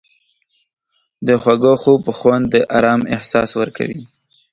د خواږه خوب خوند د آرام احساس ورکوي.